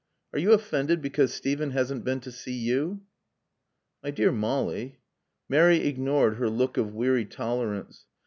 "Are you offended because Steven hasn't been to see you?" "My dear Molly " Mary ignored her look of weary tolerance.